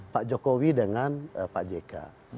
pak jokowi dengan pak jk